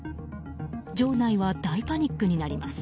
場内は大パニックになります。